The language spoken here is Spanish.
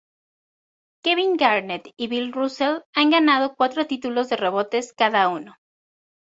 Kevin Garnett y Bill Russell han ganado cuatro títulos de rebotes cada uno.